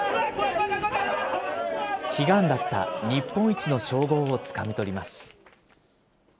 悲願だった日本一の称号をつかみ取ります。